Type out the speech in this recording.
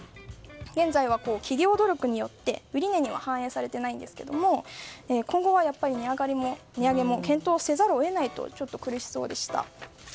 現在は企業努力によって売値には反映されていないんですが今後は値上がりも検討せざるを得ないとちょっと苦しそうでした。